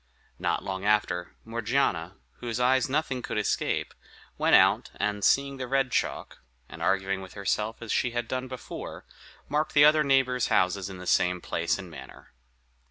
Not long after, Morgiana, whose eyes nothing could escape, went out, and seeing the red chalk, and arguing with herself as she had done before, marked the other neighbors' houses in the same place and manner.